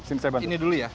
ini dulu ya